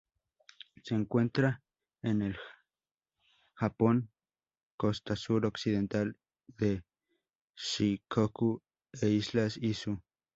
Se encuentra en el Japón: costa sur-occidental de Shikoku e Islas Izu.